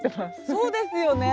そうですよね。